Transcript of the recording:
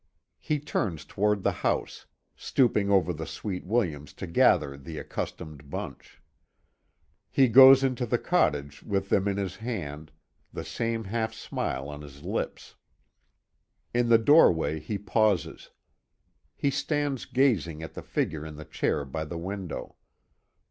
He turns toward the house, stooping over the sweet williams to gather the accustomed bunch. He goes into the cottage with them in his hand, the same half smile on his lips. In the doorway he pauses. He stands gazing at the figure in the chair by the window.